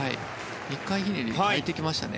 １回ひねりに変えてきました。